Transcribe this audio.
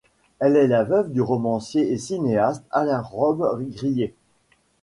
Elle est la veuve du romancier et cinéaste Alain Robbe-Grillet.